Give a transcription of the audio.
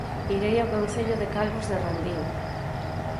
Irei ao Concello de Calvos de Randín